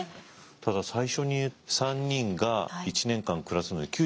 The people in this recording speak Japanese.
ただ最初に３人が１年間暮らすので９３万円くらいでしたっけ？